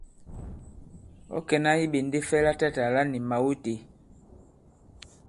Ɔ̌ kɛ̀na iɓènde fɛ latatàla ni mào itē?